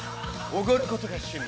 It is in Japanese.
おごることが趣味。